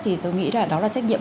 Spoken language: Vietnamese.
thì tôi nghĩ là đó là trách nhiệm